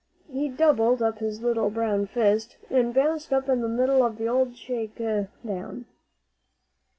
He doubled up his little brown fist, and bounced up in the middle of the old shake down.